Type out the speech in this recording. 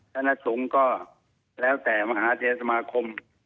คณะสงฆ์ก็แล้วแต่มหาเทศสมาคม